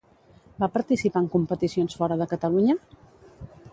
Va participar en competicions fora de Catalunya?